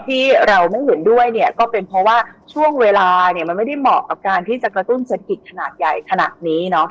ที่เราไม่เห็นด้วยเนี่ยก็เป็นเพราะว่าช่วงเวลาเนี่ยมันไม่ได้เหมาะกับการที่จะกระตุ้นเศรษฐกิจขนาดใหญ่ขนาดนี้เนาะ